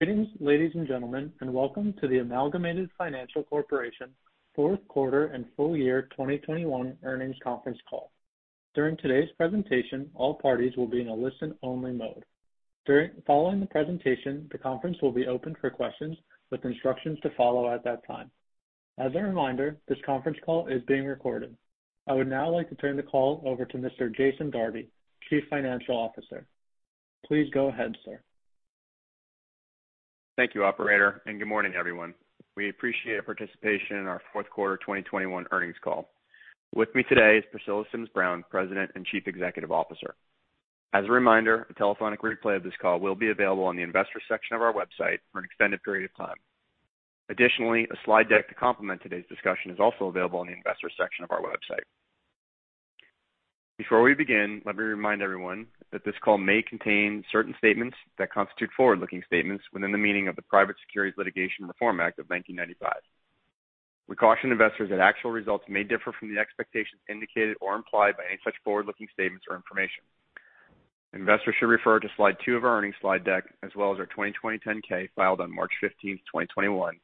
Greetings, ladies and gentlemen, and welcome to the Amalgamated Financial Corporation fourth quarter and full year 2021 earnings conference call. During today's presentation, all parties will be in a listen-only mode. Following the presentation, the conference will be opened for questions with instructions to follow at that time. As a reminder, this conference call is being recorded. I would now like to turn the call over to Mr. Jason Darby, Chief Financial Officer. Please go ahead, sir. Thank you, operator, and good morning, everyone. We appreciate your participation in our fourth quarter 2021 earnings call. With me today is Priscilla Sims Brown, President and Chief Executive Officer. As a reminder, a telephonic replay of this call will be available on the investors section of our website for an extended period of time. Additionally, a slide deck to complement today's discussion is also available on the investors section of our website. Before we begin, let me remind everyone that this call may contain certain statements that constitute forward-looking statements within the meaning of the Private Securities Litigation Reform Act of 1995. We caution investors that actual results may differ from the expectations indicated or implied by any such forward-looking statements or information. Investors should refer to slide two of our earnings slide deck as well as our 2020 10-K filed on March 15th, 2021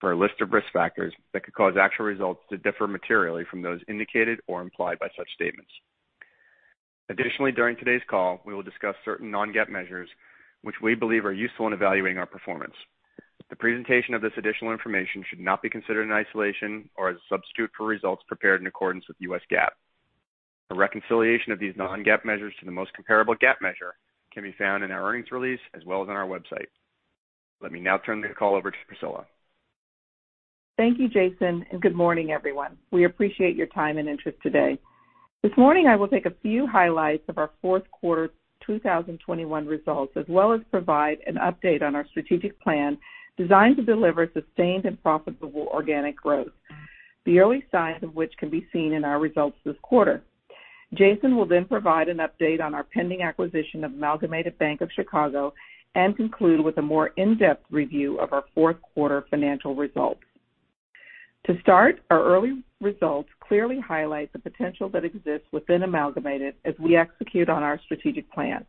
for a list of risk factors that could cause actual results to differ materially from those indicated or implied by such statements. Additionally, during today's call, we will discuss certain non-GAAP measures which we believe are useful in evaluating our performance. The presentation of this additional information should not be considered in isolation or as a substitute for results prepared in accordance with US GAAP. A reconciliation of these non-GAAP measures to the most comparable GAAP measure can be found in our earnings release as well as on our website. Let me now turn the call over to Priscilla. Thank you, Jason, and good morning, everyone. We appreciate your time and interest today. This morning I will take a few highlights of our fourth quarter 2021 results, as well as provide an update on our strategic plan designed to deliver sustained and profitable organic growth. The early signs of which can be seen in our results this quarter. Jason will then provide an update on our pending acquisition of Amalgamated Bank of Chicago and conclude with a more in-depth review of our fourth quarter financial results. To start, our early results clearly highlight the potential that exists within Amalgamated as we execute on our strategic plan.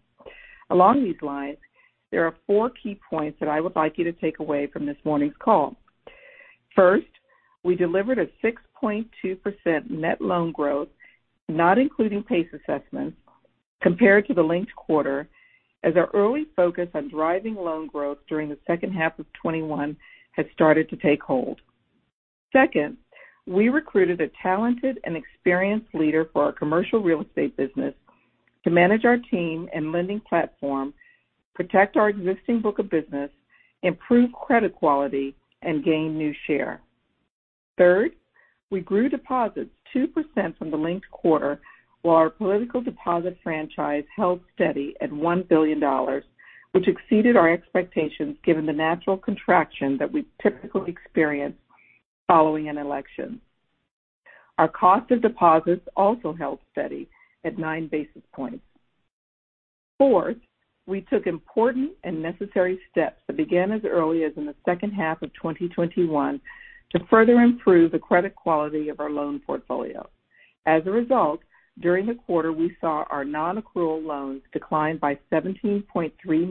Along these lines, there are four key points that I would like you to take away from this morning's call. First, we delivered a 6.2% net loan growth, not including PACE assessments, compared to the linked quarter as our early focus on driving loan growth during the second half of 2021 has started to take hold. Second, we recruited a talented and experienced leader for our commercial real estate business to manage our team and lending platform, protect our existing book of business, improve credit quality and gain new share. Third, we grew deposits 2% from the linked quarter while our political deposit franchise held steady at $1 billion, which exceeded our expectations given the natural contraction that we typically experience following an election. Our cost of deposits also held steady at 9 basis points. Fourth, we took important and necessary steps that began as early as in the second half of 2021 to further improve the credit quality of our loan portfolio. As a result, during the quarter we saw our non-accrual loans decline by $17.3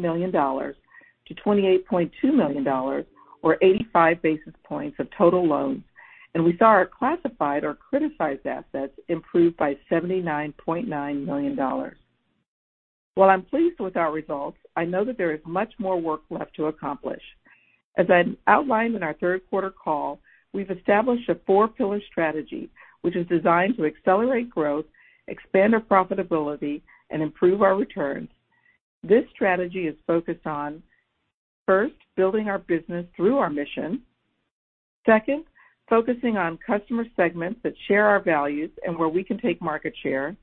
million to $28.2 million or 85 basis points of total loans, and we saw our classified or criticized assets improve by $79.9 million. While I'm pleased with our results, I know that there is much more work left to accomplish. As I outlined in our third quarter call, we've established a four-pillar strategy which is designed to accelerate growth, expand our profitability, and improve our returns. This strategy is focused on, first, building our business through our mission. Second, focusing on customer segments that share our values and where we can take market share.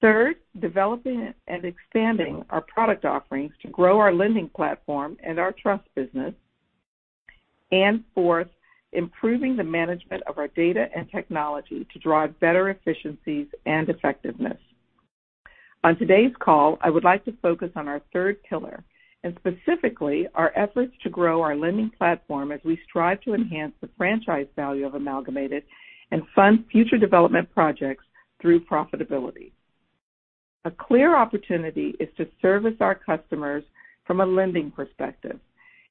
Third, developing and expanding our product offerings to grow our lending platform and our trust business. And fourth, improving the management of our data and technology to drive better efficiencies and effectiveness. On today's call, I would like to focus on our third pillar, and specifically our efforts to grow our lending platform as we strive to enhance the franchise value of Amalgamated and fund future development projects through profitability. A clear opportunity is to service our customers from a lending perspective.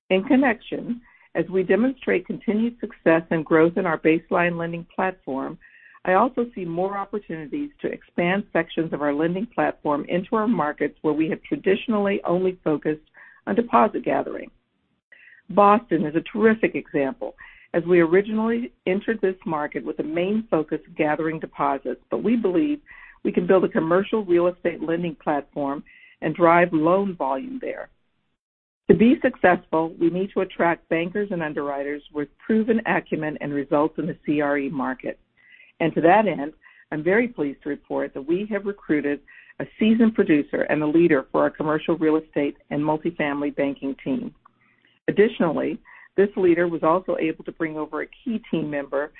In connection, as we demonstrate continued success and growth in our baseline lending platform, I also see more opportunities to expand sections of our lending platform into our markets where we have traditionally only focused on deposit gathering. Boston is a terrific example as we originally entered this market with a main focus of gathering deposits. We believe we can build a commercial real estate lending platform, and drive loan volume there. To be successful, we need to attract bankers and underwriters with proven acumen and results in the CRE market. To that end, I'm very pleased to report that we have recruited a seasoned producer and a leader for our commercial real estate and multifamily banking team. Additionally, this leader was also able to bring over a key team member,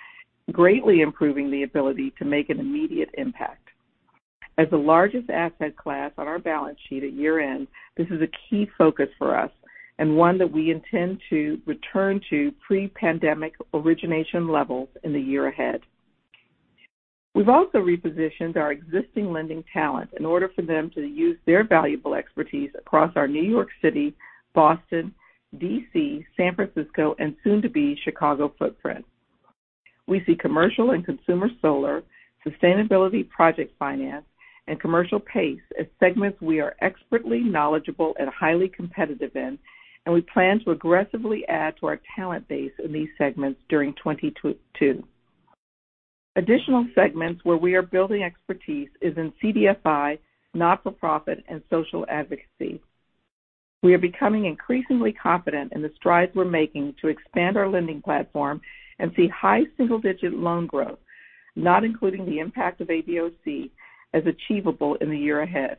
greatly improving the ability to make an immediate impact. As the largest asset class on our balance sheet at year-end, this is a key focus for us and one that we intend to return to pre-pandemic origination levels in the year ahead. We've also repositioned our existing lending talent in order for them to use their valuable expertise across our New York City, Boston, D.C., San Francisco, and soon to be Chicago footprint. We see commercial and consumer solar, sustainability project finance, and commercial pace as segments we are expertly knowledgeable and highly competitive in, and we plan to aggressively add to our talent base in these segments during 2022. Additional segments where we are building expertise is in CDFI, not-for-profit, and social advocacy. We are becoming increasingly confident in the strides we're making to expand our lending platform and see high single-digit loan growth, not including the impact of ABOC as achievable in the year ahead.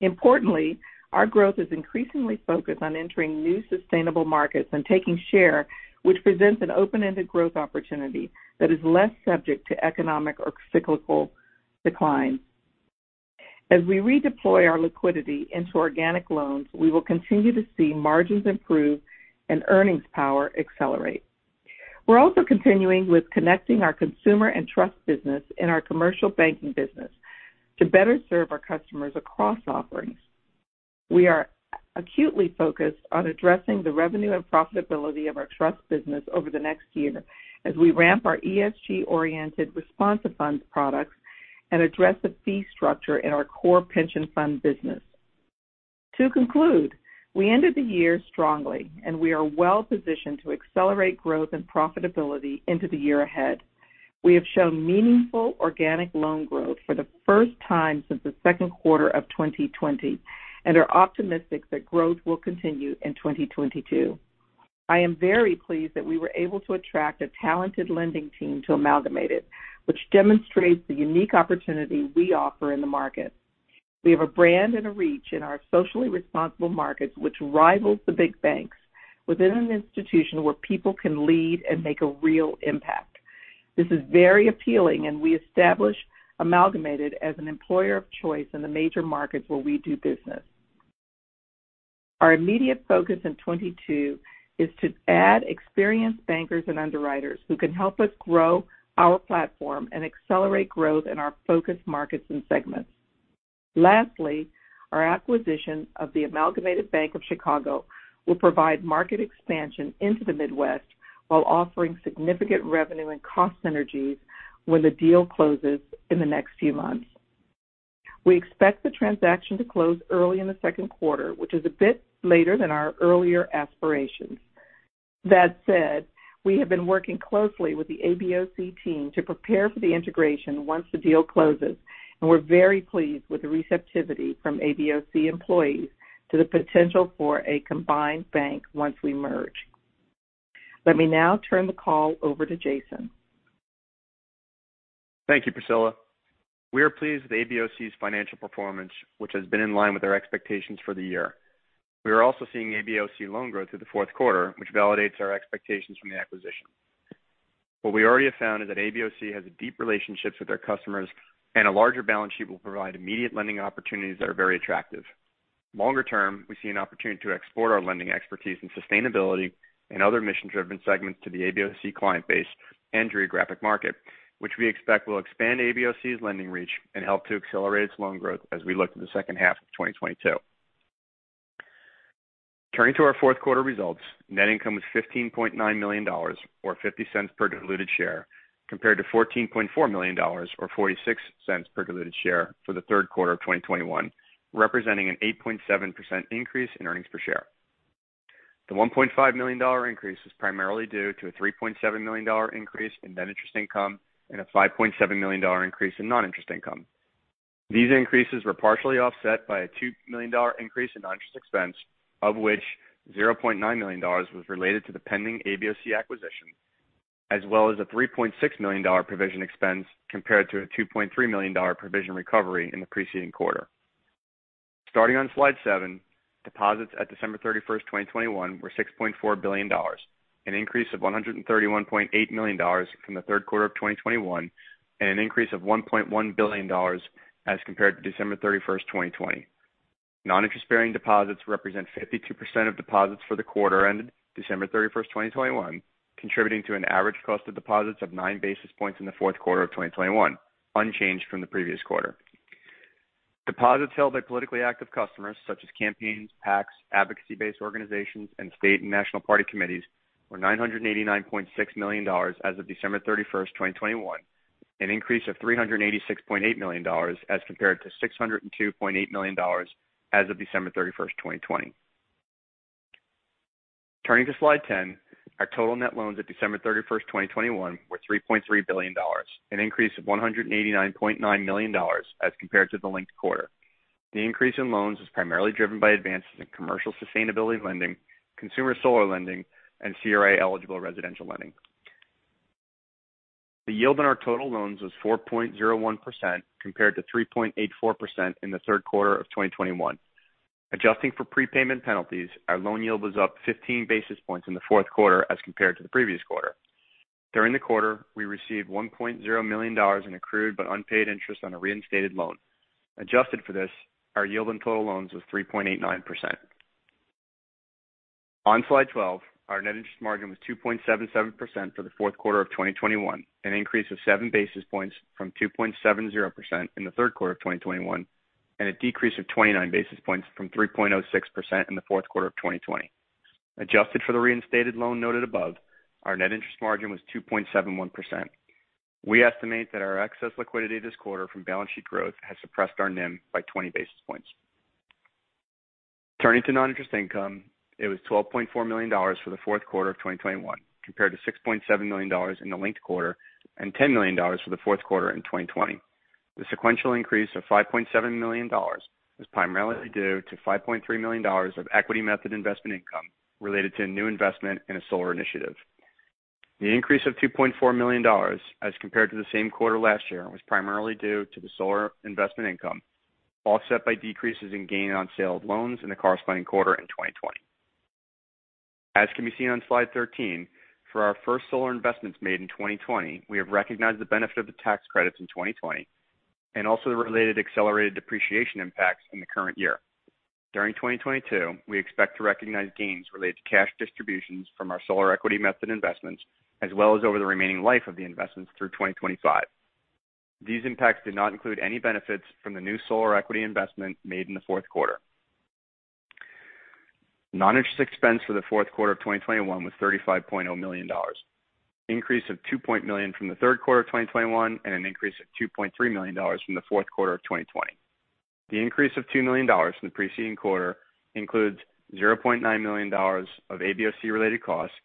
Importantly, our growth is increasingly focused on entering new sustainable markets and taking share, which presents an open-ended growth opportunity that is less subject to economic or cyclical decline. As we redeploy our liquidity into organic loans, we will continue to see margins improve and earnings power accelerate. We're also continuing with connecting our consumer and trust business and our commercial banking business to better serve our customers across offerings. We are acutely focused on addressing the revenue and profitability of our trust business over the next year as we ramp our ESG-oriented responsive funds products and address the fee structure in our core pension fund business. To conclude, we ended the year strongly, and we are well-positioned to accelerate growth and profitability into the year ahead. We have shown meaningful organic loan growth for the first time since the second quarter of 2020, and are optimistic that growth will continue in 2022. I am very pleased that we were able to attract a talented lending team to Amalgamated, which demonstrates the unique opportunity we offer in the market. We have a brand and a reach in our socially responsible markets, which rivals the big banks within an institution where people can lead and make a real impact. This is very appealing, and we establish Amalgamated as an employer of choice in the major markets where we do business. Our immediate focus in 2022 is to add experienced bankers and underwriters who can help us grow our platform and accelerate growth in our focus markets and segments. Lastly, our acquisition of the Amalgamated Bank of Chicago will provide market expansion into the Midwest while offering significant revenue and cost synergies when the deal closes in the next few months. We expect the transaction to close early in the second quarter, which is a bit later than our earlier aspirations. That said, we have been working closely with the ABOC team to prepare for the integration once the deal closes, and we're very pleased with the receptivity from ABOC employees to the potential for a combined bank once we merge. Let me now turn the call over to Jason. Thank you, Priscilla. We are pleased with ABOC's financial performance, which has been in line with our expectations for the year. We are also seeing ABOC loan growth through the fourth quarter, which validates our expectations from the acquisition. What we already have found is that ABOC has deep relationships with their customers, and a larger balance sheet will provide immediate lending opportunities that are very attractive. Longer term, we see an opportunity to export our lending expertise in sustainability and other mission-driven segments to the ABOC client base and geographic market, which we expect will expand ABOC's lending reach and help to accelerate its loan growth as we look to the second half of 2022. Turning to our fourth quarter results, net income was $15.9 million or $0.50 per diluted share, compared to $14.4 million or $0.46 per diluted share for the third quarter of 2021, representing an 8.7% increase in earnings per share. The $1.5 million increase was primarily due to a $3.7 million increase in net interest income and a $5.7 million increase in non-interest income. These increases were partially offset by a $2 million increase in non-interest expense, of which $0.9 million was related to the pending ABOC acquisition, as well as a $3.6 million provision expense compared to a $2.3 million provision recovery in the preceding quarter. Starting on slide seven, deposits at December 31st, 2021 were $6.4 billion, an increase of $131.8 million from the third quarter of 2021, and an increase of $1.1 billion as compared to December 31st, 2020. Non-interest-bearing deposits represent 52% of deposits for the quarter ended December 31st, 2021, contributing to an average cost of deposits of 9 basis points in the fourth quarter of 2021, unchanged from the previous quarter. Deposits held by politically active customers such as campaigns, PACs, advocacy-based organizations, and state and national party committees were $989.6 million as of December 31st, 2021, an increase of $386.8 million as compared to $602.8 million as of December 31st, 2020. Turning to slide 10, our total net loans at December 31st, 2021 were $3.3 billion, an increase of $189.9 million as compared to the linked quarter. The increase in loans was primarily driven by advances in commercial sustainability lending, consumer solar lending, and CRA-eligible residential lending. The yield on our total loans was 4.01% compared to 3.84% in the third quarter of 2021. Adjusting for prepayment penalties, our loan yield was up 15 basis points in the fourth quarter as compared to the previous quarter. During the quarter, we received $1.0 million in accrued but unpaid interest on a reinstated loan. Adjusted for this, our yield in total loans was 3.89%. On slide 12, our net interest margin was 2.77% for the fourth quarter of 2021, an increase of 7 basis points from 2.70% in the third quarter of 2021, and a decrease of 29 basis points from 3.06% in the fourth quarter of 2020. Adjusted for the reinstated loan noted above, our net interest margin was 2.71%. We estimate that our excess liquidity this quarter from balance sheet growth has suppressed our NIM by 20 basis points. Turning to non-interest income, it was $12.4 million for the fourth quarter of 2021 compared to $6.7 million in the linked quarter and $10 million for the fourth quarter of 2020. The sequential increase of $5.7 million was primarily due to $5.3 million of equity method investment income related to a new investment in a solar initiative. The increase of $2.4 million as compared to the same quarter last year was primarily due to the solar investment income, offset by decreases in gain on sale of loans in the corresponding quarter in 2020. As can be seen on slide 13, for our first solar investments made in 2020, we have recognized the benefit of the tax credits in 2020 and also the related accelerated depreciation impacts in the current year. During 2022, we expect to recognize gains related to cash distributions from our solar equity method investments, as well as over the remaining life of the investments through 2025. These impacts did not include any benefits from the new solar equity investment made in the fourth quarter. Noninterest expense for the fourth quarter of 2021 was $35.0 million, an increase of $2 million from the third quarter of 2021 and an increase of $2.3 million from the fourth quarter of 2020. The increase of $2 million from the preceding quarter includes $0.9 million of ABOC related costs,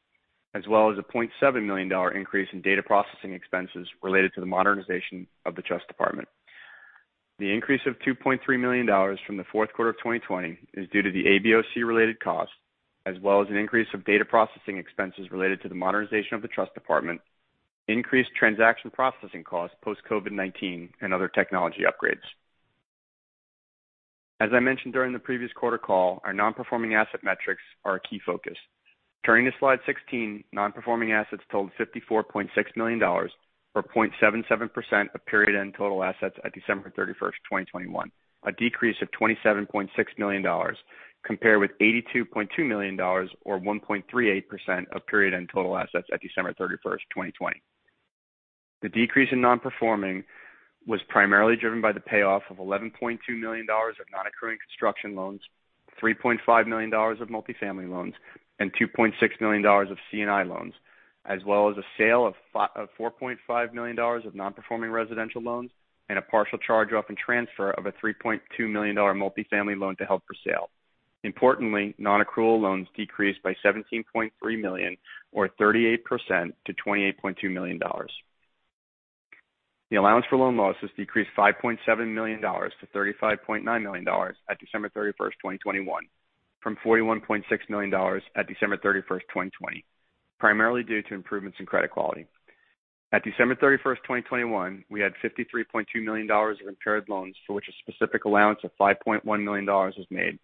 as well as a $0.7 million increase in data processing expenses related to the modernization of the trust department. The increase of $2.3 million from the fourth quarter of 2020 is due to the ABOC related costs, as well as an increase of data processing expenses related to the modernization of the trust department, increased transaction processing costs post COVID-19 and other technology upgrades. As I mentioned during the previous quarter call, our non-performing asset metrics are a key focus. Turning to slide 16, non-performing assets totaled $54.6 million or 0.77% of period-end total assets at December 31st, 2021. A decrease of $27.6 million compared with $82.2 million or 1.38% of period-end total assets at December 31st, 2020. The decrease in nonperforming was primarily driven by the payoff of $11.2 million of nonaccrual construction loans, $3.5 million of multifamily loans, and $2.6 million of C&I loans, as well as a sale of $4.5 million of nonperforming residential loans and a partial charge-off and transfer of a $3.2 million multifamily loan to held for sale. Importantly, nonaccrual loans decreased by $17.3 million or 38% to $28.2 million. The allowance for loan losses decreased $5.7 million to $35.9 million at December 31, 2021 from $41.6 million at December 31, 2020, primarily due to improvements in credit quality. At December 31st, 2021, we had $53.2 million of impaired loans for which a specific allowance of $5.1 million was made,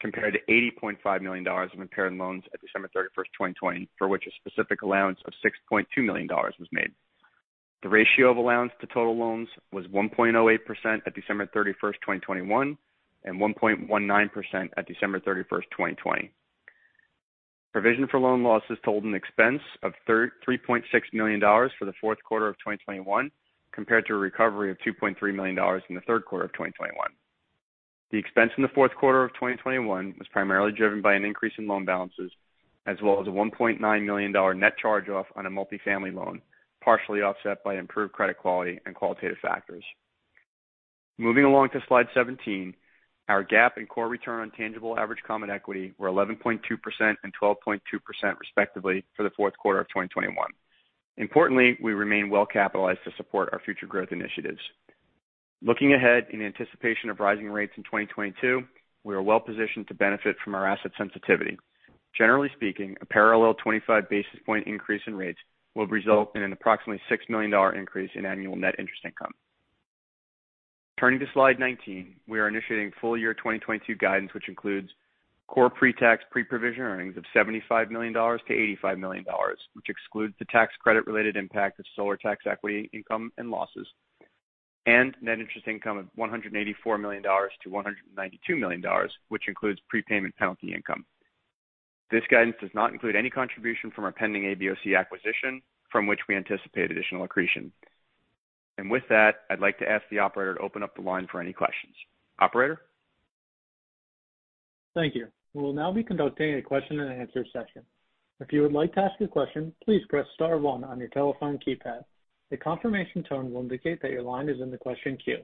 compared to $80.5 million of impaired loans at December 31st, 2020, for which a specific allowance of $6.2 million was made. The ratio of allowance to total loans was 1.08% at December 31st, 2021, and 1.19% at December 31st, 2020. Provision for loan losses totaled an expense of $3.6 million for the fourth quarter of 2021 compared to a recovery of $2.3 million in the third quarter of 2021. The expense in the fourth quarter of 2021 was primarily driven by an increase in loan balances as well as a $1.9 million net charge off on a multifamily loan, partially offset by improved credit quality and qualitative factors. Moving along to slide 17, our GAAP and core return on tangible average common equity were 11.2% and 12.2% respectively for the fourth quarter of 2021. Importantly, we remain well capitalized to support our future growth initiatives. Looking ahead in anticipation of rising rates in 2022, we are well positioned to benefit from our asset sensitivity. Generally speaking, a parallel 25 basis point increase in rates will result in an approximately $6 million increase in annual net interest income. Turning to slide 19, we are initiating full year 2022 guidance which includes core pre-tax, pre-provision earnings of $75 million-$85 million, which excludes the tax credit related impact of solar tax equity income and losses. Net interest income of $184 million-$192 million, which includes prepayment penalty income. This guidance does not include any contribution from our pending ABOC acquisition from which we anticipate additional accretion. With that, I'd like to ask the operator to open up the line for any questions. Operator? Thank you. We will now be conducting a question and answer session. If you would like to ask a question, please press star one on your telephone keypad. A confirmation tone will indicate that your line is in the question queue.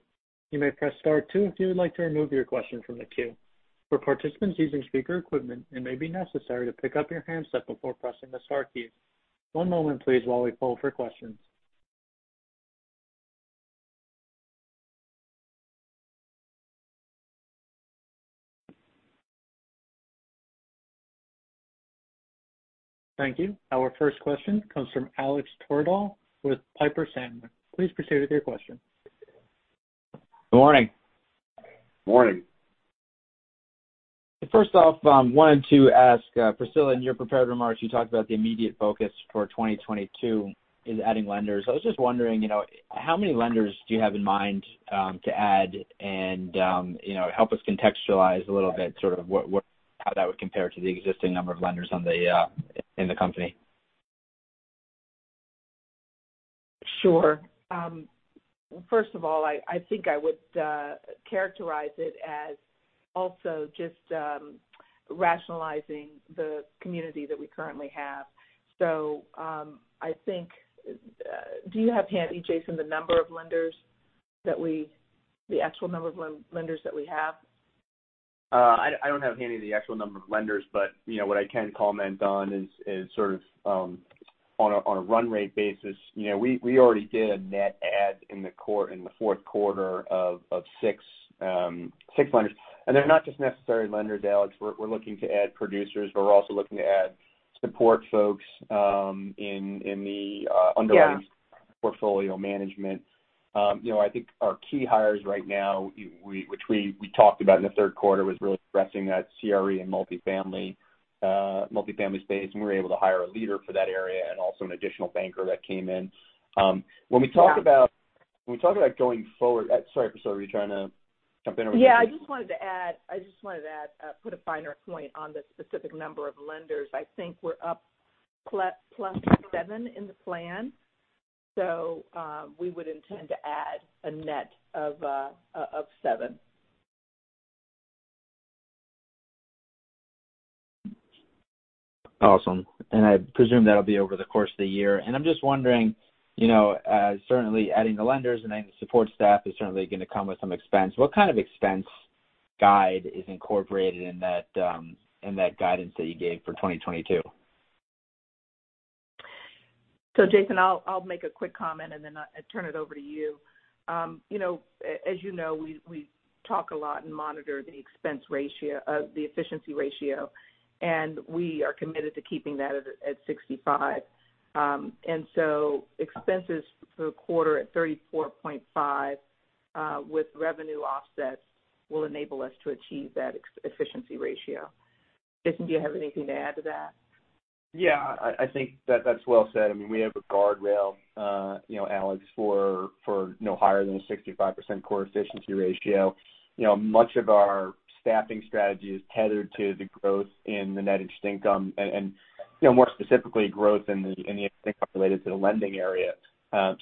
You may press star two if you would like to remove your question from the queue. For participants using speaker equipment, it may be necessary to pick up your handset before pressing the star key. One moment please while we poll for questions. Thank you. Our first question comes from Alex Twerdahl with Piper Sandler. Please proceed with your question. Good morning. Morning. First off, wanted to ask, Priscilla, in your prepared remarks, you talked about the immediate focus for 2022 is adding lenders. I was just wondering, you know, how many lenders do you have in mind to add? You know, help us contextualize a little bit sort of how that would compare to the existing number of lenders in the company. Sure. First of all, I think I would characterize it as also just rationalizing the community that we currently have. Do you have handy, Jason, the number of lenders that we, the actual number of lenders that we have? I don't have handy the actual number of lenders, but you know what I can comment on is sort of on a run rate basis. You know, we already did a net add in the fourth quarter of six lenders. They're not just necessarily lenders, Alex. We're looking to add producers, but we're also looking to add support folks in the underwriting portfolio management. You know, I think our key hires right now, which we talked about in the third quarter, was really addressing that CRE and multifamily space, and we were able to hire a leader for that area and also an additional banker that came in. When we talk about, when we talk about going forward, sorry, Priscilla, were you trying to jump in or was that just me? Yeah, I just wanted to add, put a finer point on the specific number of lenders. I think we're up plus seven in the plan. We would intend to add a net of seven. Awesome. I presume that'll be over the course of the year. I'm just wondering, you know, certainly adding the lenders and adding the support staff is certainly gonna come with some expense. What kind of expense guide is incorporated in that, in that guidance that you gave for 2022? Jason, I'll make a quick comment and then I turn it over to you. You know, as you know, we talk a lot and monitor the efficiency ratio, and we are committed to keeping that at 65%. Expenses for the quarter at $34.5 with revenue offsets will enable us to achieve that efficiency ratio. Jason, do you have anything to add to that? Yeah. I think that's well said. I mean, we have a guardrail, you know, Alex, for no higher than a 65% core efficiency ratio. You know, much of our staffing strategy is tethered to the growth in the net interest income and, you know, more specifically, growth in the interest income related to the lending area.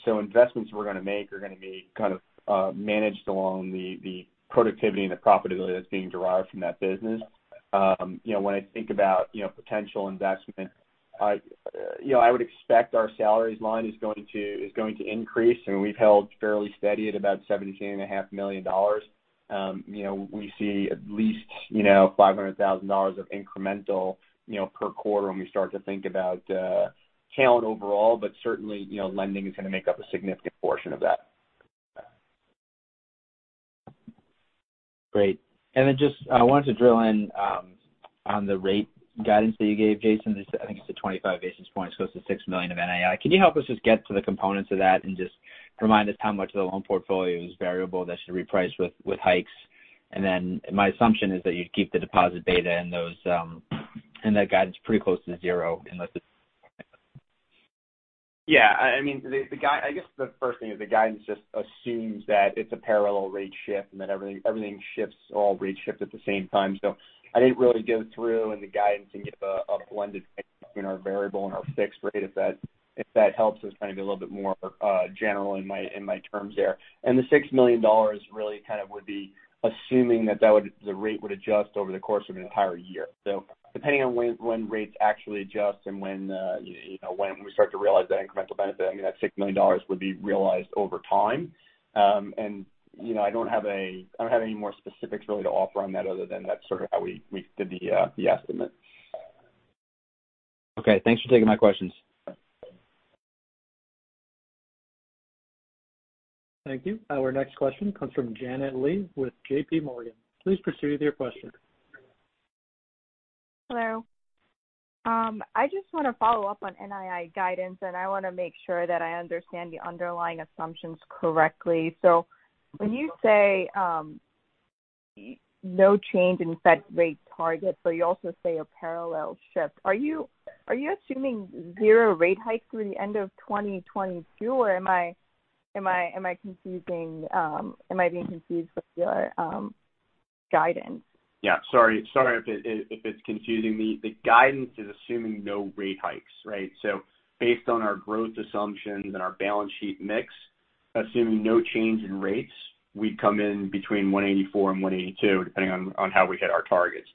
So investments we're gonna make are gonna be kind of managed along the productivity and the profitability that's being derived from that business. You know, when I think about potential investment, I would expect our salaries line is going to increase, and we've held fairly steady at about $73.5 million. You know, we see at least, you know, $500,000 of incremental, you know, per quarter when we start to think about talent overall. Certainly, you know, lending is gonna make up a significant portion of that. Great. Just I wanted to drill in on the rate guidance that you gave, Jason. Just I think it's the 25 basis points close to $6 million of NII. Can you help us just get to the components of that and just remind us how much of the loan portfolio is variable that should reprice with hikes? My assumption is that you'd keep the deposit beta and those in that guidance pretty close to zero unless it's. Yeah. I mean, the guidance just assumes that it's a parallel rate shift and that everything shifts, all rates shift at the same time. I didn't really go through in the guidance and give a blended between our variable and our fixed rate, if that helps. I was trying to be a little bit more general in my terms there. The $6 million really kind of would be assuming that the rate would adjust over the course of an entire year. Depending on when rates actually adjust and when you know when we start to realize that incremental benefit, I mean, that $6 million would be realized over time. You know, I don't have any more specifics really to offer on that other than that's sort of how we did the estimate. Okay. Thanks for taking my questions. Thank you. Our next question comes from Janet Lee with JPMorgan. Please proceed with your question. Hello. I just want to follow up on NII guidance, and I want to make sure that I understand the underlying assumptions correctly. When you say no change in Fed rate target, but you also say a parallel shift, are you assuming zero rate hikes through the end of 2022, or am I being confused with your guidance? Yeah. Sorry if it's confusing. The guidance is assuming no rate hikes, right? Based on our growth assumptions and our balance sheet mix, assuming no change in rates, we'd come in between $184 million and $192 million, depending on how we hit our targets.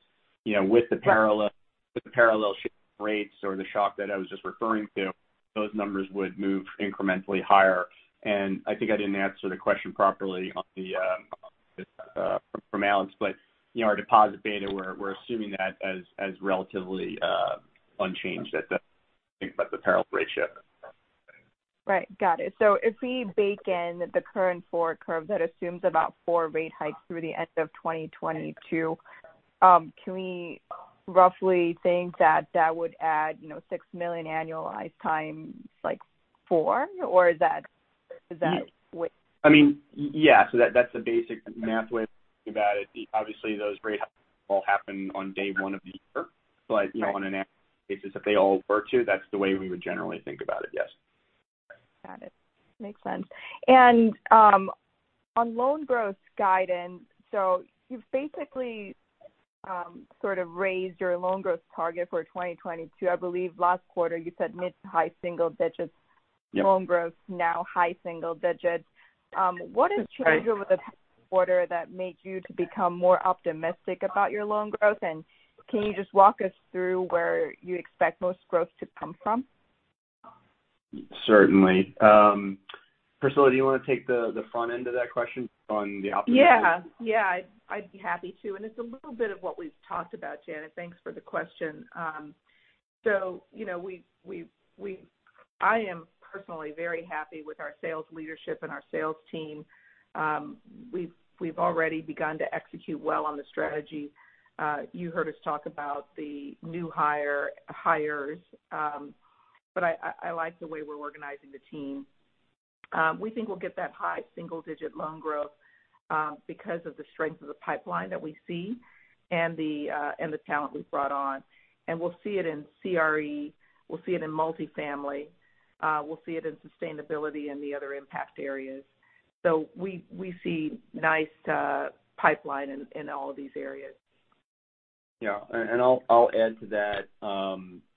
You know, with the parallel. Right. With the parallel shift rates or the shock that I was just referring to, those numbers would move incrementally higher. I think I didn't answer the question properly on the from Alex, but you know, our deposit beta, we're assuming that as relatively unchanged at the I think, at the parallel rate shift. Right. Got it. If we bake in the current forward curve that assumes about four rate hikes through the end of 2022, can we roughly think that would add, you know, $6 million annualized times, like, four, or is that what? I mean, yeah. That's the basic math way to think about it. Obviously, those rate hikes won't all happen on day one of the year. You know, on an annual basis, if they all were to, that's the way we would generally think about it, yes. Got it. Makes sense. On loan growth guidance, so you've basically sort of raised your loan growth target for 2022. I believe last quarter you said mid to high single digits loan growth, now high single digits. What has changed? What over the past quarter that made you to become more optimistic about your loan growth? And can you just walk us through where you expect most growth to come from? Certainly. Priscilla, do you wanna take the front end of that question on the optimism? Yeah, I'd be happy to. It's a little bit of what we've talked about, Janet. Thanks for the question. You know, I am personally very happy with our sales leadership and our sales team. We've already begun to execute well on the strategy. You heard us talk about the new hires, but I like the way we're organizing the team. We think we'll get that high single-digit loan growth because of the strength of the pipeline that we see and the talent we've brought on. We'll see it in CRE, we'll see it in multifamily, we'll see it in sustainability and the other impact areas. We see nice pipeline in all of these areas. Yeah. I'll add to that,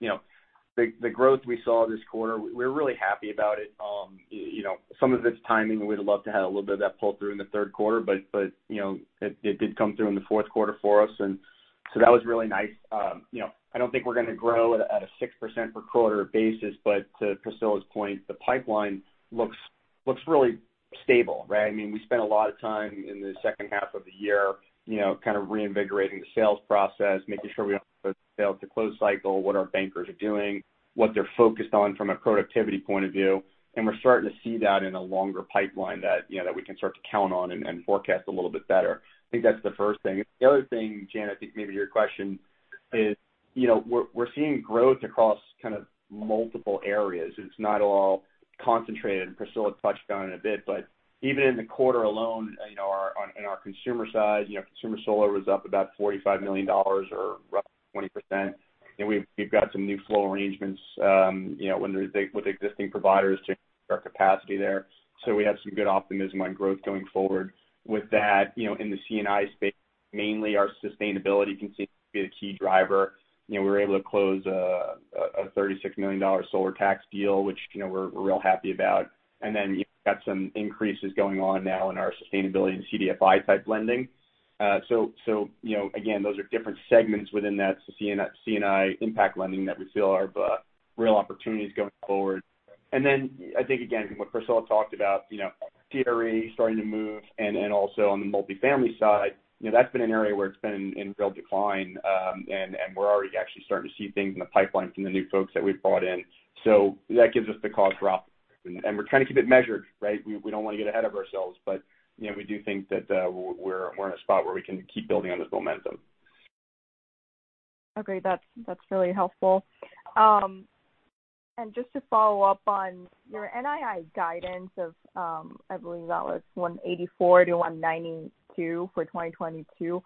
you know, the growth we saw this quarter, we're really happy about it. You know, some of it's timing. We'd love to have a little bit of that pull through in the third quarter, but you know, it did come through in the fourth quarter for us and so that was really nice. You know, I don't think we're gonna grow at a 6% per quarter basis, but to Priscilla's point, the pipeline looks really stable, right? I mean, we spent a lot of time in the second half of the year, you know, kind of reinvigorating the sales process, making sure we have a sale to close cycle, what our bankers are doing, what they're focused on from a productivity point of view. We're starting to see that in a longer pipeline that, you know, we can start to count on and forecast a little bit better. I think that's the first thing. The other thing, Janet, I think maybe to your question is, you know, we're seeing growth across kind of multiple areas. It's not all concentrated, and Priscilla touched on it a bit. Even in the quarter alone, you know, on our consumer side, you know, consumer solar was up about $45 million or roughly 20%. You know, we've got some new flow arrangements, you know, with existing providers to our capacity there. So we have some good optimism on growth going forward. With that, you know, in the C&I space, mainly our sustainability continues to be a key driver. You know, we were able to close a $36 million solar tax equity deal, which, you know, we're real happy about. You know, we got some increases going on now in our sustainability and CDFI type lending. So, you know, again, those are different segments within that C&I impact lending that we feel are real opportunities going forward. I think again, what Priscilla talked about, you know, CRE starting to move and also on the multifamily side, you know, that's been an area where it's been in real decline. We're already actually starting to see things in the pipeline from the new folks that we've brought in. That gives us cause for optimism. We're trying to keep it measured, right? We don't wanna get ahead of ourselves, but you know, we do think that we're in a spot where we can keep building on this momentum. Okay. That's really helpful. Just to follow up on your NII guidance of, I believe that was $184 million-$192 million for 2022.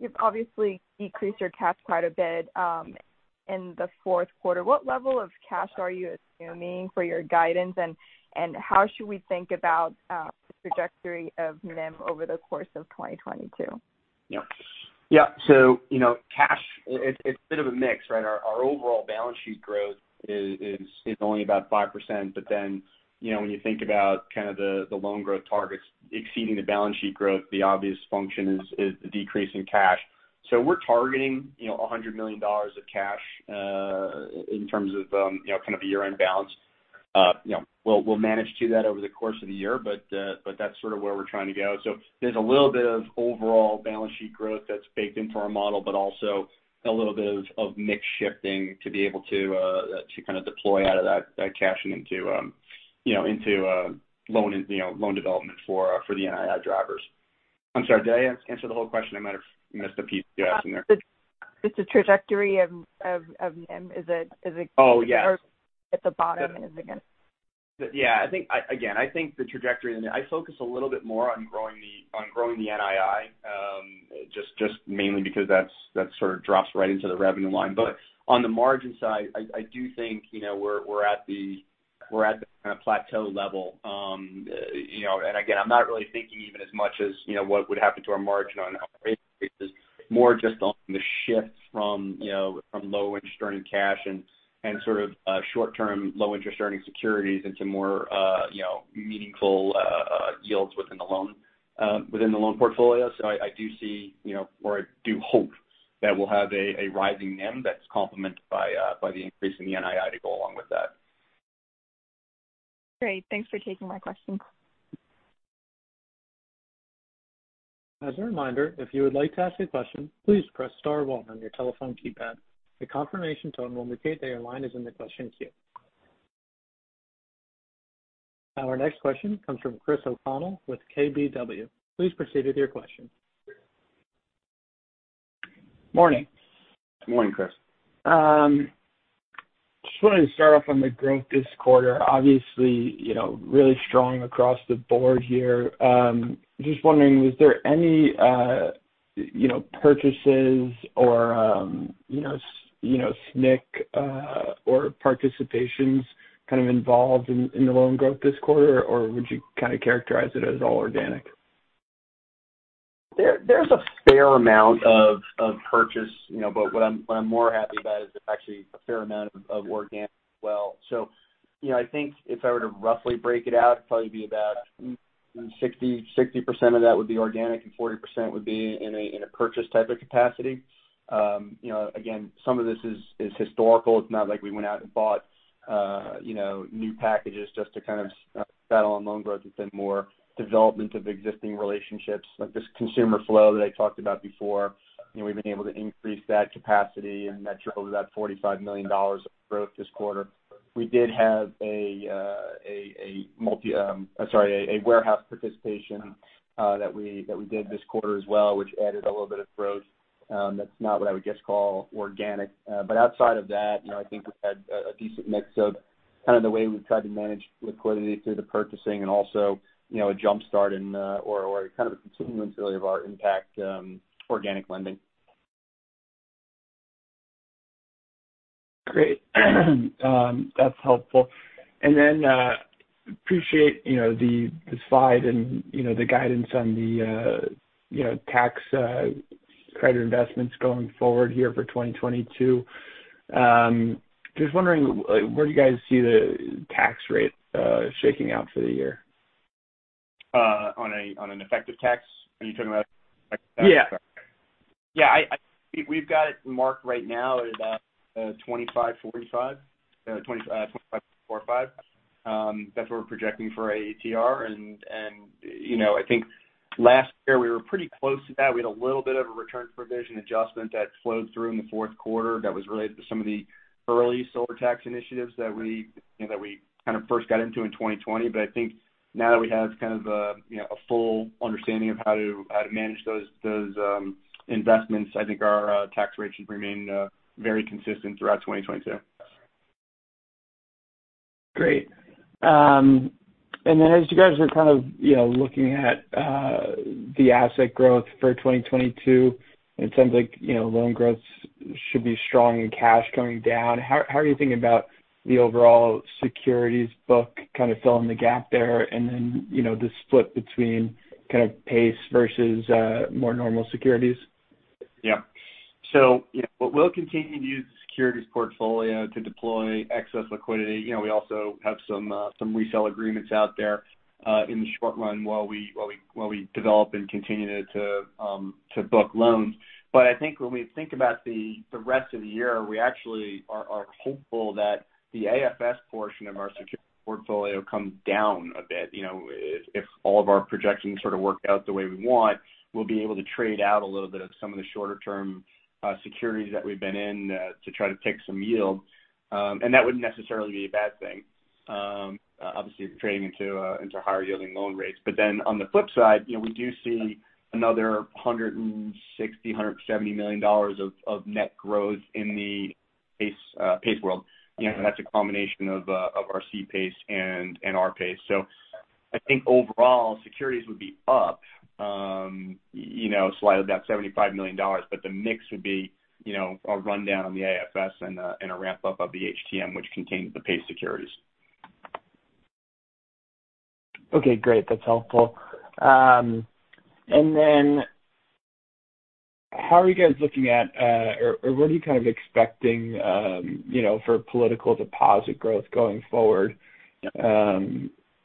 You've obviously decreased your cash quite a bit in the fourth quarter. What level of cash are you assuming for your guidance? How should we think about the trajectory of NIM over the course of 2022? Yeah, you know, cash, it's a bit of a mix, right? Our overall balance sheet growth is only about 5%. You know, when you think about kind of the loan growth targets exceeding the balance sheet growth, the obvious function is the decrease in cash. We're targeting, you know, $100 million of cash in terms of you know, kind of a year-end balance. You know, we'll manage to that over the course of the year, but that's sort of where we're trying to go. There's a little bit of overall balance sheet growth that's baked into our model, but also a little bit of mix shifting to be able to kind of deploy out of that cash and into you know into loan and you know loan development for the NII drivers. I'm sorry, did I answer the whole question? I might have missed a piece you asked in there. Just the trajectory of NIM, is it? Oh, yeah. At the bottom, is it gonna? Yeah. I think the trajectory. I focus a little bit more on growing the NII, just mainly because that sort of drops right into the revenue line. On the margin side, I do think, you know, we're at the kind of plateau level. You know, and again, I'm not really thinking even as much as, you know, what would happen to our margin on rate, more just on the shift from, you know, from low interest earning cash and sort of short-term low interest earning securities into more, you know, meaningful yields within the loan portfolio. I do see, you know, or I do hope that we'll have a rising NIM that's complemented by the increase in the NII to go along with that. Great. Thanks for taking my questions. As a reminder, if you would like to ask a question, please press star one on your telephone keypad. A confirmation tone will indicate that your line is in the question queue. Our next question comes from Chris O'Connell with KBW. Please proceed with your question. Morning. Morning, Chris. Just wanted to start off on the growth this quarter. Obviously, you know, really strong across the board here. Just wondering, was there any, you know, purchases or, you know, SNC, or participations kind of involved in the loan growth this quarter? Or would you kinda characterize it as all organic? There's a fair amount of purchase, you know, but what I'm more happy about is there's actually a fair amount of organic as well. You know, I think if I were to roughly break it out, it'd probably be about 60% of that would be organic and 40% would be in a purchase type of capacity. You know, again, some of this is historical. It's not like we went out and bought, you know, new packages just to kind of settle on loan growth. It's been more development of existing relationships. Like this consumer flow that I talked about before, you know, we've been able to increase that capacity and that trickled to that $45 million of growth this quarter. We did have a warehouse participation that we did this quarter as well, which added a little bit of growth. That's not what I would just call organic. Outside of that, you know, I think we've had a decent mix of kind of the way we've tried to manage liquidity through the purchasing and also, you know, a jump start in or kind of a continuance really of our impact organic lending. Great. That's helpful. Appreciate the slide and the guidance on the tax credit investments going forward here for 2022. Just wondering, like, where do you guys see the tax rate shaking out for the year? On an effective tax? Are you talking about effective tax? Yeah. Yeah. We've got it marked right now at about 25.45%. That's what we're projecting for AETR. You know, I think last year we were pretty close to that. We had a little bit of a return provision adjustment that flowed through in the fourth quarter that was related to some of the early solar tax initiatives that we, you know, that we kind of first got into in 2020. I think now that we have kind of a, you know, a full understanding of how to manage those investments. I think our tax rate should remain very consistent throughout 2022. Great. As you guys are kind of, you know, looking at the asset growth for 2022, it seems like, you know, loan growth should be strong and cash coming down. How are you thinking about the overall securities book kind of filling the gap there and then, you know, the split between kind of PACE versus more normal securities? Yeah. You know, we'll continue to use the securities portfolio to deploy excess liquidity. You know, we also have some resell agreements out there in the short run while we develop and continue to book loans. I think when we think about the rest of the year, we actually are hopeful that the AFS portion of our security portfolio comes down a bit. You know, if all of our projections sort of work out the way we want, we'll be able to trade out a little bit of some of the shorter term securities that we've been in to try to take some yield. That wouldn't necessarily be a bad thing. Obviously you're trading into higher yielding loan rates. On the flip side, you know, we do see another $160 million-$170 million of net growth in the PACE world. You know, that's a combination of our C-PACE and our PACE. I think overall securities would be up, you know, slightly about $75 million, but the mix would be, you know, a rundown on the AFS and a ramp up of the HTM, which contains the PACE securities. Okay, great. That's helpful. How are you guys looking at, or what are you kind of expecting, you know, for political deposit growth going forward?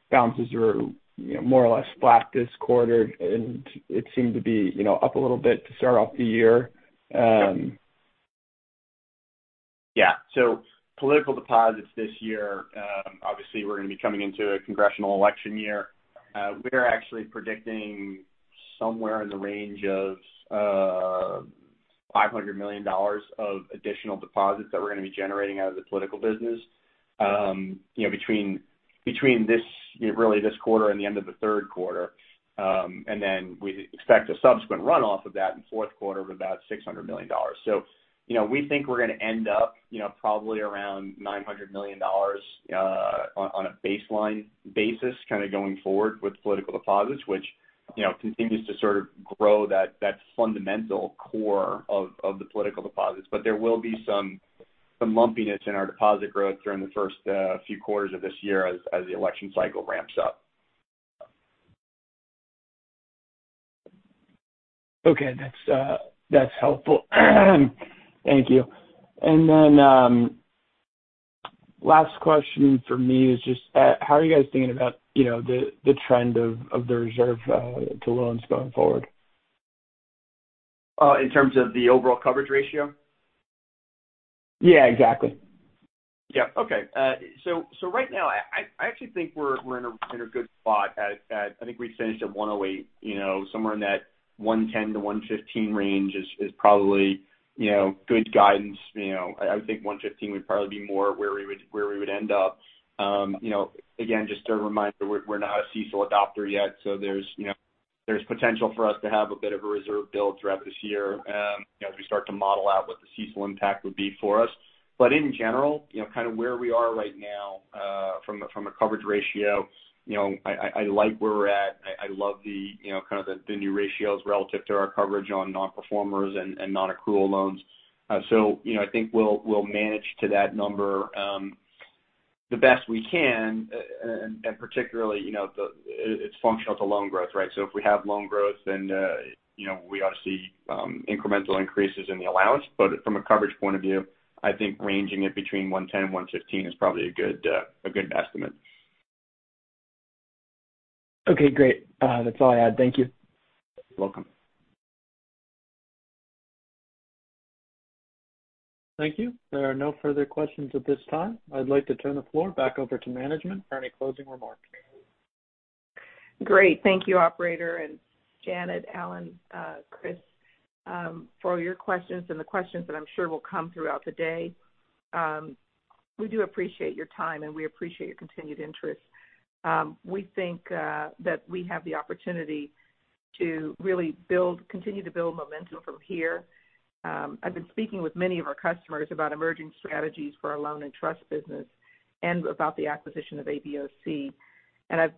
Balances were, you know, more or less flat this quarter, and it seemed to be, you know, up a little bit to start off the year. Yeah. Political deposits this year, obviously we're gonna be coming into a congressional election year. We're actually predicting somewhere in the range of $500 million of additional deposits that we're gonna be generating out of the political business, you know, between this, you know, really this quarter and the end of the third quarter. And then we expect a subsequent runoff of that in fourth quarter of about $600 million. You know, we think we're gonna end up, you know, probably around $900 million, on a baseline basis kind of going forward with political deposits, which, you know, continues to sort of grow that fundamental core of the political deposits. There will be some lumpiness in our deposit growth during the first few quarters of this year as the election cycle ramps up. Okay. That's helpful. Thank you. Last question from me is just how are you guys thinking about, you know, the trend of the reserve to loans going forward? In terms of the overall coverage ratio? Yeah, exactly. Yeah. Okay. Right now I actually think we're in a good spot. I think we finished at 108%. You know, somewhere in that 110%-115% range is probably good guidance. You know, I think 115% would probably be more where we would end up. You know, again, just a reminder, we're not a CECL adopter yet, so there's potential for us to have a bit of a reserve build throughout this year, you know, as we start to model out what the CECL impact would be for us. In general, you know, kind of where we are right now, from a coverage ratio, you know, I like where we're at. I love, you know, kind of the new ratios relative to our coverage on nonperforming and nonaccrual loans. You know, I think we'll manage to that number the best we can and particularly, you know, it's a function of loan growth, right? If we have loan growth then, you know, we obviously incremental increases in the allowance. From a coverage point of view, I think ranging it between 110 and 115 is probably a good estimate. Okay, great. That's all I had. Thank you. You're welcome. Thank you. There are no further questions at this time. I'd like to turn the floor back over to management for any closing remarks. Great. Thank you, operator, and Janet, Alex, Chris, for all your questions and the questions that I'm sure will come throughout the day. We do appreciate your time, and we appreciate your continued interest. We think that we have the opportunity to really continue to build momentum from here. I've been speaking with many of our customers about emerging strategies for our loan and trust business and about the acquisition of ABOC. I've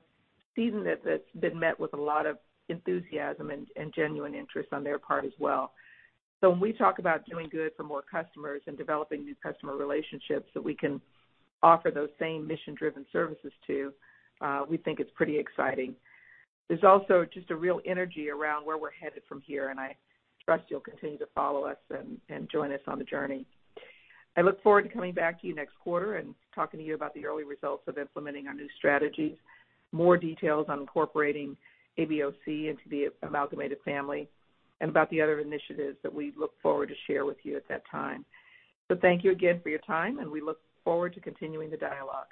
seen that that's been met with a lot of enthusiasm and genuine interest on their part as well. When we talk about doing good for more customers and developing new customer relationships that we can offer those same mission-driven services to, we think it's pretty exciting. There's also just a real energy around where we're headed from here, and I trust you'll continue to follow us and join us on the journey. I look forward to coming back to you next quarter and talking to you about the early results of implementing our new strategies, more details on incorporating ABOC into the Amalgamated family, and about the other initiatives that we look forward to share with you at that time. Thank you again for your time, and we look forward to continuing the dialogue.